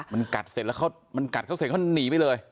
มันกัดเสร็จแล้วเขาหนีไปเลย